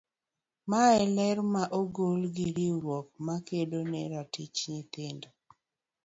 Mae ler ma ogol gi riwruok ma kedo ne ratich nyithindo.